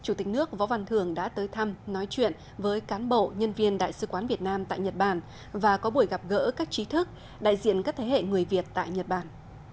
chủ tịch nước võ văn thường đã tới thăm nói chuyện với cán bộ nhân viên đại sứ quán việt nam tại nhật bản và có buổi gặp gỡ các trí thức đại diện các thế hệ người việt tại nhật bản